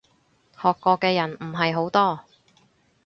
學過嘅人唔係好多